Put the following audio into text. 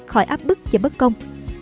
khỏi áp bức và bất công